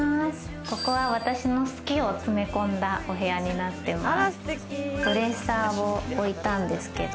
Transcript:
ここは私の好きを詰め込んだお部屋になってます。